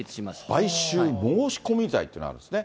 買収申込罪っていうのがあるんですね。